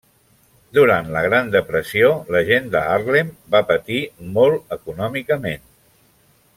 Durant la Gran Depressió, la gent de Harlem va patir molt econòmicament.